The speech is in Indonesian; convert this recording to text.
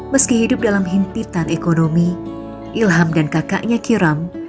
meski hidup dalam himpitan ekonomi ilham dan kakaknya kiram